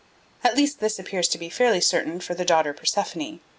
At least this appears to be fairly certain for the daughter Persephone.